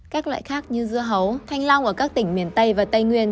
các loại khác như dưa hấu thanh long ở các tỉnh miền tây và tây nguyên